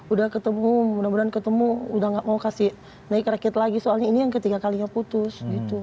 udah ketemu mudah mudahan ketemu udah gak mau kasih naik rakit lagi soalnya ini yang ketiga kalinya putus gitu